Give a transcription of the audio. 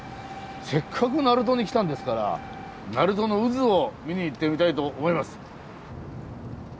せっかく鳴門に来たんですから鳴門の渦を見に行ってみたいと思います。